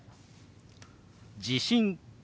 「地震」。